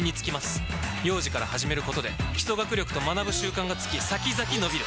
幼児から始めることで基礎学力と学ぶ習慣がつき先々のびる！